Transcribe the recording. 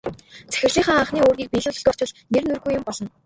Захирлынхаа анхны үүрийг биелүүлэлгүй очвол нэр нүүргүй юм болно.